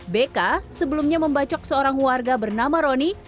bk sebelumnya membacok seorang warga bernama roni